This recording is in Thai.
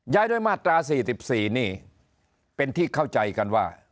ด้วยมาตรา๔๔นี่เป็นที่เข้าใจกันว่า